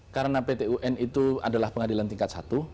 karena pt un itu adalah pengadilan tingkat satu